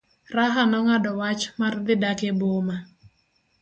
Raha nong'ado wach mar dhi dak e boma.